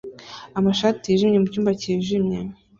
amashati yijimye mucyumba cyijimye.